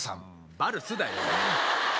「バルス」だよお前。